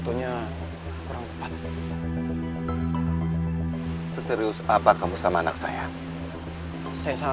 gue di depan rumah lo